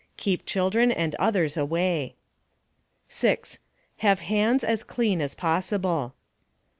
Keep children and others away. 6. Have hands as clean as possible.